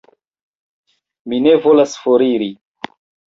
Mi ne volas foriri.